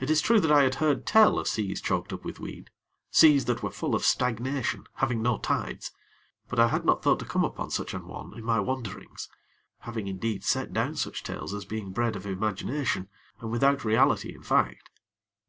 It is true that I had heard tell of seas choked up with weed seas that were full of stagnation, having no tides; but I had not thought to come upon such an one in my wanderings; having, indeed, set down such tales as being bred of imagination, and without reality in fact.